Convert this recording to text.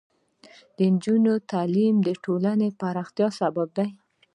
د نجونو تعلیم د ټولنې پراختیا سبب دی.